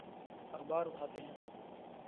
اخبار اٹھاتے ہیں۔